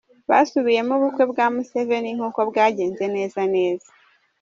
Basubiyemo ubukwe bwa Museveni nk'uko bwagenze neza neza.